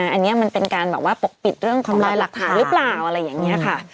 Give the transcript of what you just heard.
อันนี้มันเป็นการแบบว่าปกปิดเรื่องทำลายหลักฐานหรือเปล่าอะไรอย่างนี้ค่ะ